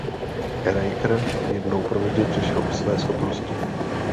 Riker jednou provždy přišel o své schopnosti.